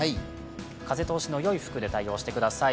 風通しの良い服で対応してください。